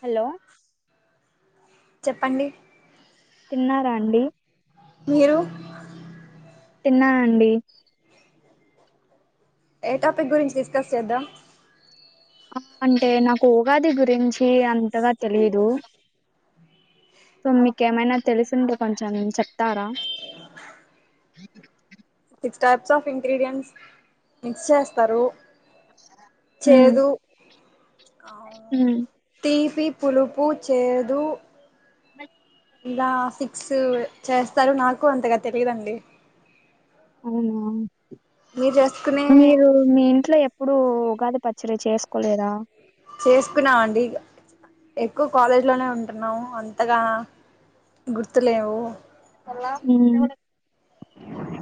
Hello చెప్పండి తిన్నారా అండి మీరు తిన్నానండీ ఏ టాపిక్ గురించి డిస్కస్ చేద్దాం ఆ అంటే నాకు ఉగాది గురించి అంతగా తెలిదు సో మీకేమైనా తెలుసింటే కొంచెం చెప్తారా six types of ingredients mix చేస్తారూ ఉమ్, చేదు ఉమ్. తీ పి పులుపు చేదు లా ఫిక్స్ చేస్తారు నాకు అంతగా తెలీదండి అవునా చేసుకునే మీరు మీ ఇంట్లో ఎప్పుడుూ ఉగాది పచ్చడి చేసుకొలేదా చేసుకున్నామ అండి ఎక్కువ కాలేజ్లోనే ఉంటున్నాము అంతగా గుర్తులేవు మ్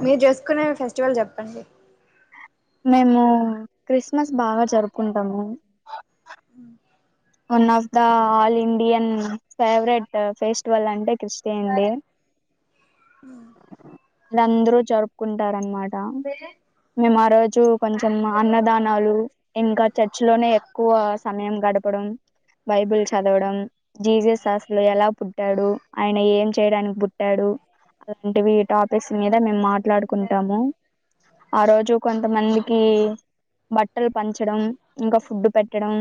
మీరు చేసుకునే ఫెస్టివల్ చెప్పండి మేము క్రిస్మస్ బాగా జరుపుకుంటామూ హ one of the all Indian favourite festival అంటే క్రిస్టియండి అ అందరు జరుపుకుంటార్ అనమాట మేమ్ ఆ రోజు కొంచెం అన్నదానాలు ఇంకా చర్చి లోనే ఎక్కువ సమయం గడప్ డం బైబిల్ చదవడం జీజస్ శాస్లు ఎలా పుట్టాడు ఆయన ఏం చేయడానికి పుట్టాడు అలాంటివి టాపిక్స్ మీద మేమ్ మాట్లాడుకుంటాము ఆ రోజు కొంతమందికి బట్టలు పంచడం ఇంకా ఫుడ్డు పెట్టడం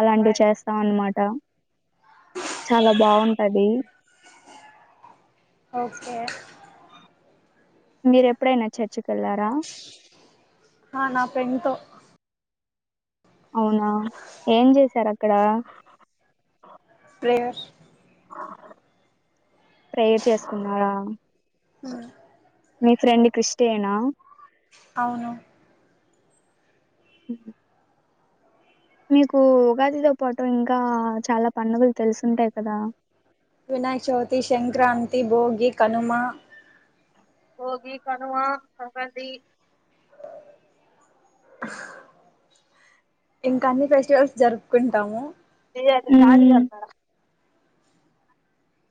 అలాంటివి చేస్తాం అన్మాట చాలా బాగుంటదీ ఓకే మీర్ ఎప్పుడైనా చర్చక్ ఎళ్లారా ఆ నా ఫెండ్ తో అవునా ఏం చేసారు అక్కడ తే [unintelligible] ప్రేయర్ చేసుకున్నారా ఆ మీ ఫ్రెండ్ క్రిస్టియన్ ఆ అవును హ మీకు ఉగాదితో పాటు ఇంకా చాలా పండుగలు తెలిసుంటాయి కదా వినాయక చౌతి శన్క్రాం తి భోగి కనుమ భోగి కనుమా సంక్రాంతి ఇంకా అన్ని ఫెస్టివల్స్ జరుపుకుంటాము నన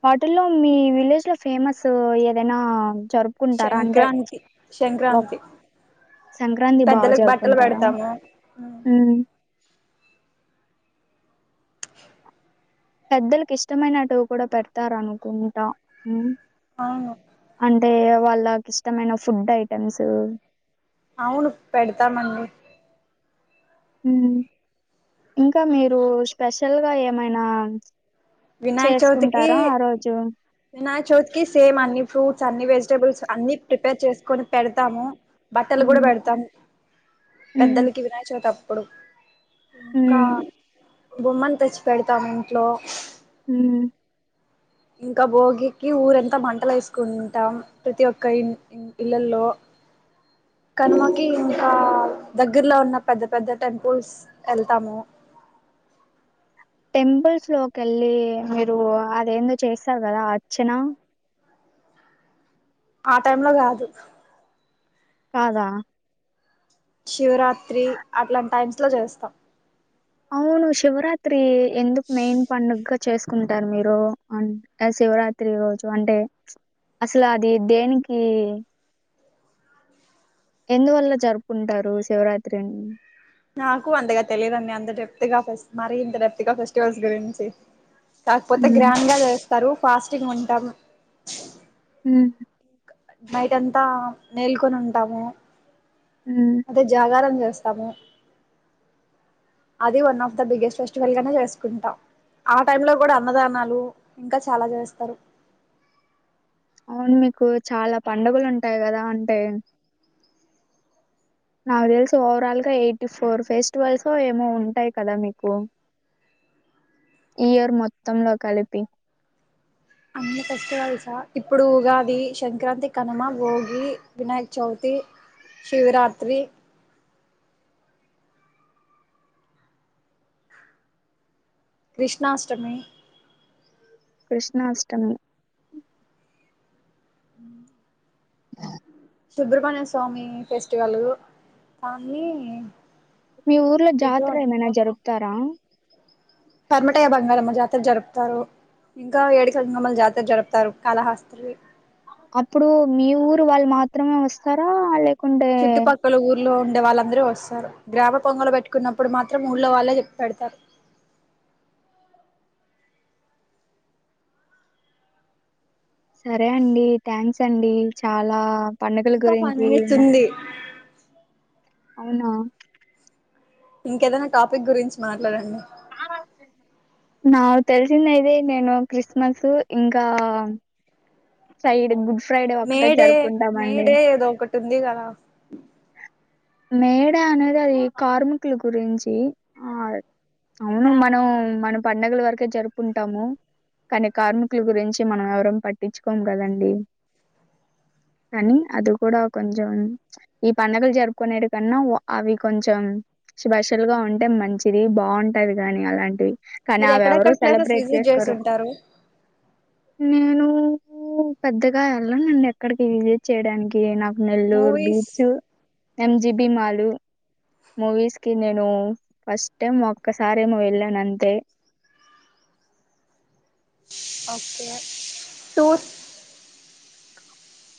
వాటిల్లో మీ విలేజ్ లో ఫేమస్ ఏదైనా జరుపుకుంటారా అంటే సంక్రాంతి ఒక్ సంక్రాంతి సంక్రాంతి బాగా పెద్దలకు బట్టలు జరుపుకుంటారా పెడతాము హ్మ్ పెద్దలలకు ఇష్టమైనటవి కూడా పెడతారునుకుంటా ఉమ్ అవును అంటే వాళ్ళకి ఇష్టమైన ఫుడ్ ఐటమ్స్ అవును పెడతామండి ఉమ్ ఇంకా మీరు స్పెషల్ గా ఏమైనా వినాయక చౌతికి చేసుకుంటారా ఆ రోజు వినాయక చోతికి సేమ్ అన్ని ఫ్రూట్స్ అన్ని వెజిటబుల్స్ అన్ని ప్రిపేర్ చేసుకొని పెడతాము బట్టలు కూడా హ్మ్ పెడతాము హ్మ్ పెద్దలకి వినాయక చవితి అ ఇప్పుడు ఇంకా హ్మ్ బొమ్మలు తెచ్చి పెడతాము ఇంట్లో ఉమ్ ఇంకా భోగికి ఊరంతా మంటలు వేసుకుంటాం ప్రతి ఒక్క ఇ ఇళ్లలో కనుమకి ఇంకా దగ్గర్లో ఉన్న పెద్ద పెద్ద టెంపుల్స్ వెళ్తాము టెంపుల్స్ లోకి వెళ్ళి మీరు అదేందో చేస్తారు కదా అర్చనా ఆ టైమ్ లో కాదు కాదా శివరాత్రి అట్లాంటి టైమ్స్ లో చేస్తాం అవును శివరాత్రి ఎందుకు మెయిన్ పండుగ చేసుకుంటారు మీరు అ శివరాత్రి రోజు అంటే అసలు అది దేనికి ఎందువల్ల జరుపుకుంటారు శివరాత్రిని నాకు అంతగా తెలియదండి అంత డెప్త్ గా మరి ఇంత డెప్త్ గా ఫెస్టివల్స్ గురించి కాకపోతే ఉమ్ గ్రాండ్ గా చేస్ తరువు ఫాస్టింగ్ ఉంటాం హమ్ నైట్ అంతా మేల్కొని ఉంటాము ఉమ్ అదే జాగరం చేస్ స్తము అది one of the biggest festival గానే చేసుకుంటా ఆ టై లో గూడా అన్నదానాలు ఇంకా చాలా చేస్తారు అవును మీకు చాలా పండుగలు ఉంటాయి కదా అంటే నాకు తెలిసి ఓవరాల్ గా ఎయిటీ ఫోర్ ఫెస్టివల్స్ ఏమో ఉంటాయి కదా మీకు ఇయర్ మొత్తంలో కలిపి అన్ని ఫెస్టివల్సా ఇప్పుడు ఉగాది సంక్రాంతి కనుమ భోగి వినాయక చవితి శివరాత్రి కృష్ణా అష్టమి క్రిష్ణా అష్టమి ఉ సుబ్రమణ్య స్వామి ఫెస్టివలు కానీ మీ ఊర్లో జాతరేమైనా జరుపుతారా కర్మటయ్య బంగారమ్మ జాతర జరుపుతారు ఇంకా ఏడుకల గంగమ్మల జాతర జరుపుతారు కాలహస్త్రీ అప్పుడు మీ ఊరు వాళ్ళు మాత్రమే వస్తారా లేక్ చుట్టుపక్కల ఊర్లో ఉన్ వాళ్ళందరూ వస్తారు గ్రామ పొంగలు పెట్టుకున్నప్పుడు మాత్రం ఊళ్ళో వాళ్ళే చెప్పి పెడతారు సరే అండి థ్యాంక్స్ అండి చాలా పండుగల ఇంకా ఫైవ్ గురించి మినిట్స్ మా ఉంది అవునా ఇంకేదైనా టాపిక్ గురించి మాట్లాడండి నాకు తెలిసిందయితే నేను కక్రిస్మస్ ఇంకా సైడ్ మేడే మేడే ఏదో ఒకటి ఉంది కదా మే డే అనేది అది కార్మికుల గురించి ఆ అవును మనం మన పండుగల వరకే జరుపుంటాము కానీ కార్మికుల గురించి మనం ఎవరం పట్ ట్టించుకోము కదండి కానీ అది కూడా కొంచెం ఈ పండగలు జరుపుకునేటి కన్నా అవి కొంచెం స్పెషల్ గా ఉంటే మంచిది బాగుంటది గా నీ అలాంటివి కానీ మీరు అవి ఎవరు ఎక్కడెక్కడ ప్లేసెస్ సెలబ్రేట్ విజిట్ చేసుంటారు నిన్ను ఓ పెద్దగా ఎళ్ళనండి ఆక్కడికి విజిట్ చేయడానికి నాకు Nellore movies beach M GB mall movies కి నేను ఫస్ట్ టైం ఒక్కసారేమో వెళ్ళాను అంతే ఓకే టూ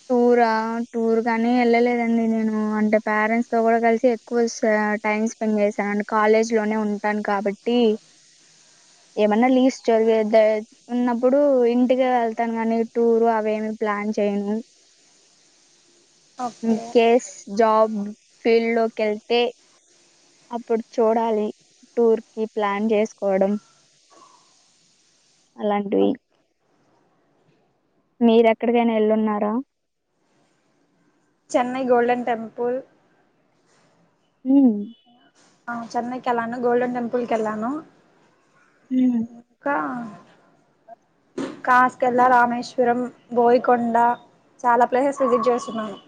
టూరా టూర్ కానీ వెళ్ళలేదండి నేను అంటే పేరెంట్స్ తో కూడా కలిసి ఎక్కువ టైం స్పెండ్ చేశాను అంటే కాలేజ్ లోనే ఉంటాను కాబట్టి ఏమన్నా లీవ్స్ జరిగేది ఉన్నప్పుడు ఇంటికే వెళ్తాను కానీ టూర్ అవి ఏమి ప్లాన్ చేయను in okay case job field లోకెళ్తే అప్పుడు చూడాలి టూర్ కి ప్లాన్ చేసుకోవడం అలాంటివి మీరు ఎక్కడికైనా వెళ్ళున్నారా? చెన్నై గోల్డెన్ టెంపుల్ మ్ ఆ చెన్నైకెళ్ళాను, గోల్డెన్ టెంపుల్ కెళ్ళాను. మ్ ఆ కాసకెళ్ళ, రామేశ్వరం, బోయకొండ చాలా ప్లేసెస్ విజిట్ చేస్తున్నాను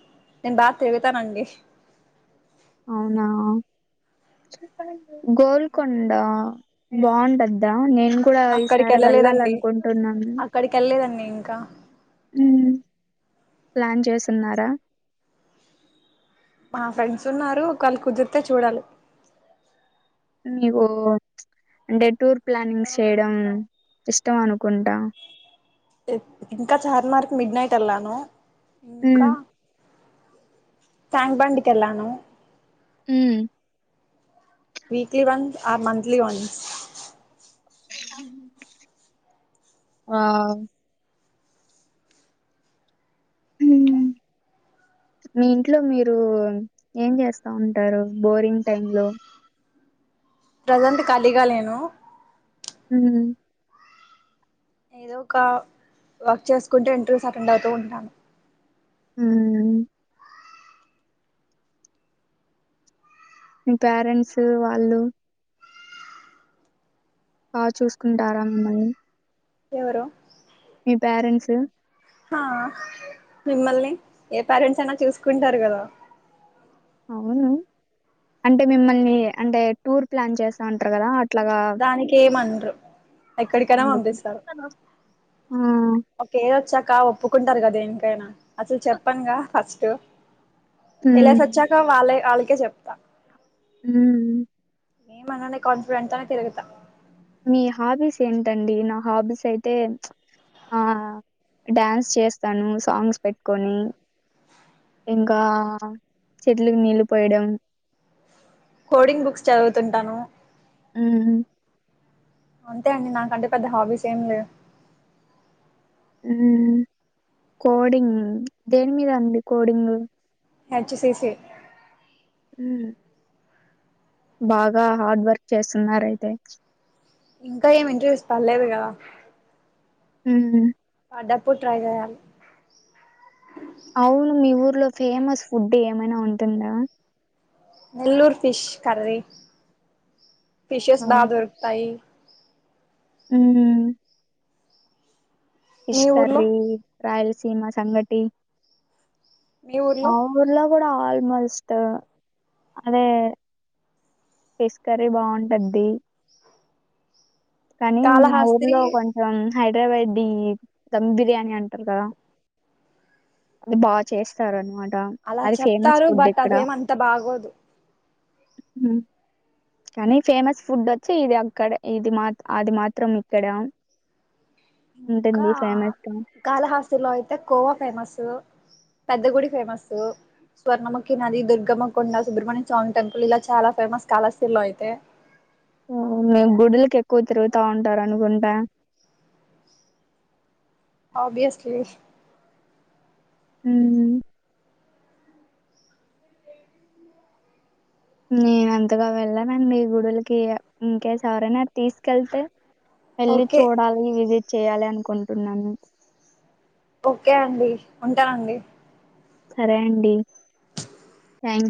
నేను బాగా తిడతానండి. అవునా గోల్కొండ బావుండద్దా నే నేను కూడా అక్కడికి ఈసారి వెళ్ళలేదండి వెళ్ళాలనుకుంటున్నాను. అక్కడికి వెళ్ళలేదండి ఇంకా ఊ ప్లాన్ చేసున్నారా? మా ఫ్రెండ్స్ ఉన్నారు ఒకేల కుదిరితే చూడాలి. నీవూ చ్ అంటే టూర్ ప్లానింగ్స్ చేయడం ఇష్టం అనుకుంటా. ఇంకా చార్ మార్కు మిడ్ నైట్ యెళ్లాను. ఇంకా ఉమ్ టాంక్బండ్ కెళ్ళానూ మ్ weekly once or monthly once ఆ వావ్ ఊ మీ ఇంట్లో మీరు ఏం చేస్తా ఉంటారు బోరింగ్ టైమ్ లో ప్రజెంట్ ఖాళీగా లేను. మ్ ఏదో ఒక వర్క్ చేసుకుంటూ ఇంటర్వ్యూస్ అటెండ్ అవుతూ ఉంటాను. మ్ మీ పెరెంట్సు వాళ్ళు బా చూసుకుంటారా మిమ్మల్నీ ఎవరు మీ పెరెంట్సు ఆ మిమ్మల్ని ఏ పెరెంట్స్ అయినా చూసుకుంటారు కదా. అవును అంటే మిమ్మల్ని అంటే టూర్ ప్లాన్ చేస్తా ఉంటరు కదా. దానికి ఏమన్ రు ఎక్కడికైనా అందుకు. పంపిస్తారు ఆ! ఒక ఏజ్ వచ్చా కా ఒప్పుకుంటారు గా దేనికైనా అసలు చెప్పన్గా ఫస్ దో హ్మ్. ఎల్లెసొచ్చాక వాలె అలి కె చెప్తా మ్ ఏం అననే కాన్ఫిడెంట్ తోనే తిరుగుతా. మీ హాబీస్ ఏంటండి. నా హాబీస్ అయితే చ్ ఆ డ్యాన్స్ చేస్తాను సాంగ్స్ పెట్కోని ఇంకా చెట్లుకి నీళ్ళు పోయడం. Coding books చదువుతుంటాను. మ్ అంతే అండి నాకంటే పెద్ద హాబీస్ ఏం లేవ్ మ్ కోడింగ్ దేని మీద అండి కోడింగు హెచ్ సీసి మ్ బాగా హార్డ్ వర్క్ చేస్తున్నారయితే ఇంకా ఏమి ఇంటర్వ్యూస్ పర్లేదు కదా ఉమ్ డప్పుడు ట్రై చేయాలి అవును మీ ఊర్లో ఫేమస్ ఫుడ్ ఏమైనా ఉంటుందా నెల్లూర్ ఫిష్ కర్రీ ఫిషెస్ బా దొరుకుతాయి ఉమ్ ఫిష్ మీ ఊర్లో కర్రీ రాయల్స్ సిమా సంగటి మీ మా ఊర్లో ఊర్లో కూడా ఆల్మోస్ట్ అదే ఫిష్ కర్రీ బాగుంటద్ది కానీ మా కాళహాస్త్రి ఊర్లో కొంచం హైదరాబాద్ డి దమ్ బిర్యానీ అంటారు కదా అది బా చేస్తారనమాట అలా అది ఫేమస్ చెప్తారు ఫుడ్ బట్ అదేమంత బాగోదు ఉమ్ కానీ ఫేమస్ ఫుడ్ వచ్చి ఇది అక్కడ ఇది మా అది మాత్రం ఇక్కడ ఇంకా ఉంటుంది ఫేమస్ గా కాళహస్తిలో అయితే కోవా ఫేమసు పెద్ద గుడి ఫేమస్ స్వర్ణముఖి నది దుర్గమ్మ కొండ సుబ్రహమణ్య స్వామి టెంపుల్ ఇలా చాలా ఫేమస్ కాళహస్తిలో అయితే మ్ మే గుడులకి ఎక్కువ తిరుగుతా ఉంటారు అనుకుంటా ఆభ్యస్లి ఉమ్ నేను అంతగా వెళ్ళనండి గుడులకి ఇంకేస్ ఎవరైనా తీసుకెళ్తే వెళ్ళి ఓకే చూడాలి విజిట్ చేయాలి అనుకుంటున్నాను ఓకే అండి ఉంటానండి సరే అండి థ్యాం